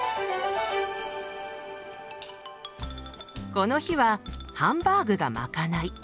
この日はハンバーグがまかない。